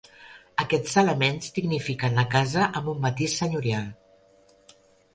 Aquests elements dignifiquen la casa amb un matís senyorial.